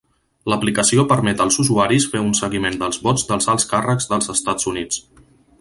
L'aplicació permet als usuaris fer un seguiment del vots dels alts càrrecs dels Estats Units.